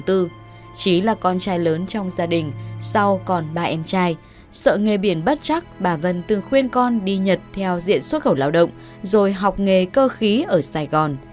chí là con trai lớn trong gia đình sau còn ba em trai sợ nghề biển bất chắc bà vân từng khuyên con đi nhật theo diện xuất khẩu lao động rồi học nghề cơ khí ở sài gòn